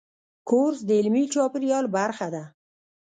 کورس د علمي چاپېریال برخه ده.